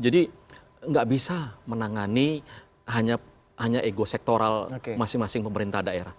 jadi nggak bisa menangani hanya ego sektoral masing masing pemerintah daerah